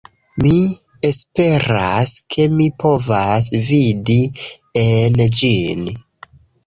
Mi esperas, ke mi povas vidi en ĝin